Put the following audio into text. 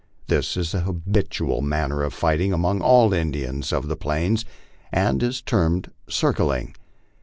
This is the habitual manner of fighting among all Indians of the Plains, and is termed " circling."